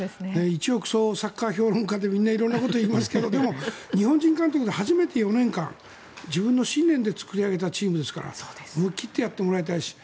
一億総サッカー評論家でみんな色んなことを言いますが日本人監督が初めて４年間自分の信念で作り上げたチームですから向き切ってやってもらいたいと思うし